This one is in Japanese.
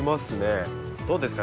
どうですか？